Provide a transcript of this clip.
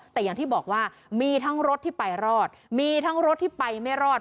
แต่อย่างที่บอกว่ามีทั้งรถที่ไปรอดมีทั้งรถที่ไปไม่รอด